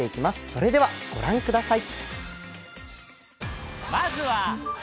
それではご覧ください。